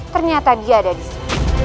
ternyata dia ada di sini